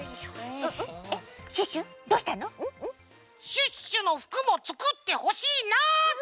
シュッシュのふくもつくってほしいなあって！